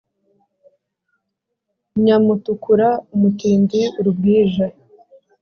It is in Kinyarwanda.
Nyamutukura umutindi-Urubwija.